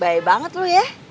baik banget lu ya